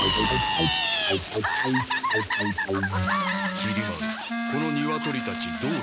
きり丸このニワトリたちどうしたのだ？